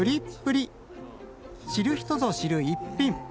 知る人ぞ知る逸品。